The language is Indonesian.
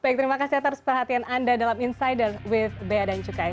baik terima kasih atas perhatian anda dalam insider with bea dan cukai